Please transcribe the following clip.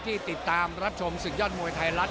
ติดตามรับชมศึกยอดมวยไทยรัฐ